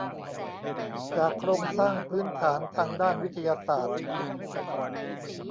จากโครงสร้างพื้นฐานทางด้านวิทยาศาสตร์